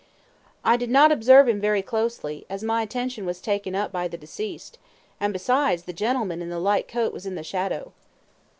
A. I did not observe him very closely, as my attention was taken up by the deceased; and, besides, the gentleman in the light coat was in the shadow.